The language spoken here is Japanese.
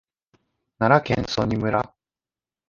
奈良県曽爾村